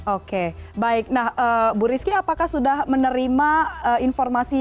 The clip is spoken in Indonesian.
oke baik nah bu rizky apakah sudah menerima informasi